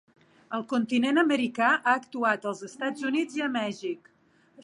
Al continent americà ha actuat als Estats Units i a Mèxic.